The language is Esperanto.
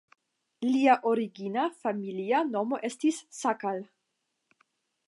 Lia origina familia nomo estis "Szakal".